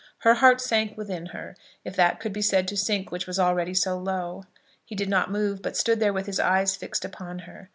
Her heart sank within her, if that could be said to sink which was already so low. He did not move, but stood there with his eyes fixed upon her.